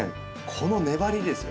このねばりですよ。